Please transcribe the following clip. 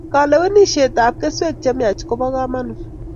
kalewenishetap keswek chemiach kopo kamanut